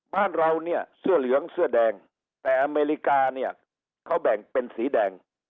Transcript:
บ้านเราเนี่ยเสื้อเหลืองเสื้อแดงแต่อเมริกาเนี่ยเขาแบ่งเป็นสีแดง